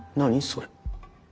それ。